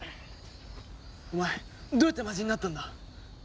お前どうやって魔人になったんだ？